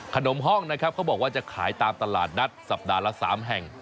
ห้องนะครับเขาบอกว่าจะขายตามตลาดนัดสัปดาห์ละ๓แห่ง